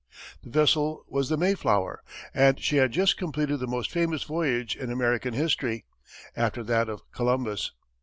The vessel was the Mayflower, and she had just completed the most famous voyage in American history, after that of Columbus.